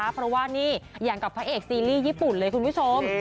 เพราะว่านี่อย่างกับพระเอกซีรีส์ญี่ปุ่นเลยคุณผู้ชม